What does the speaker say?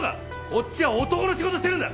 こっちは男の仕事してるんだ。